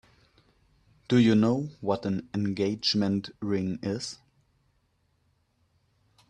Do you know what an engagement ring is?